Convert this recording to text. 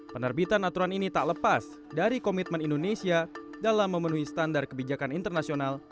penerbitan aturan ini tak lepas dari komitmen indonesia dalam memenuhi standar kebijakan internasional